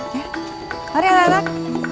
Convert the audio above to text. ya mari anak anak